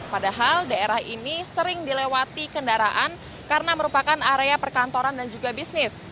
padahal daerah ini sering dilewati kendaraan karena merupakan area perkantoran dan juga bisnis